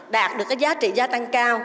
đạt được cái giá trị gia tăng cao